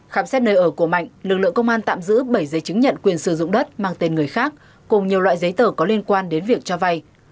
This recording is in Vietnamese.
khám xét nơi ở của mạnh lực lượng công an tạm giữ bảy giấy chứng nhận quyền sử dụng đất mang tên người khác cùng nhiều loại giấy tờ có liên quan đến việc cho vay